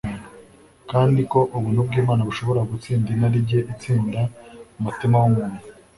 kandi ko ubuntu bw'Imana bushobora gutsinda inarinjye itsinda umutima w'umuntu.